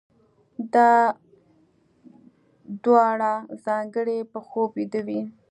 دا دواړه ځانګړنې په خوب ويدې وي.